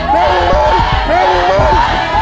๑บ้าน